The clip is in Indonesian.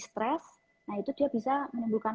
stress nah itu dia bisa menimbulkan